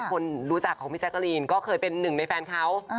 คนรู้จักของพี่แจ๊กกะลีนก็เคยเป็นหนึ่งในแฟนเขา